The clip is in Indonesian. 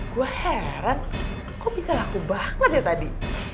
gue heran kok bisa laku banget ya tadi